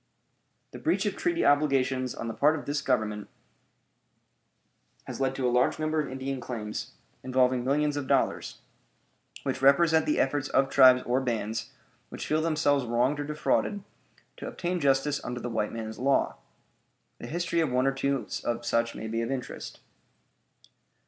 The breach of treaty obligations on the part of this Government has led to a large number of Indian claims, involving millions of dollars, which represent the efforts of tribes or bands which feel themselves wronged or defrauded to obtain justice under the white man's law. The history of one or two such may be of interest.